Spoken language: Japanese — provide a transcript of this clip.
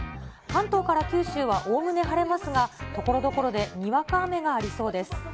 関東から九州はおおむね晴れますが、ところどころでにわか雨がありそうです。